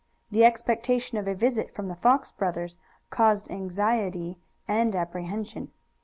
The expectation of a visit from the Fox brothers caused anxiety and apprehension.